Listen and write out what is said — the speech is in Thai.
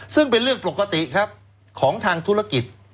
ซึ่งเป็นเรื่องปกติครับของทางธุรกิจ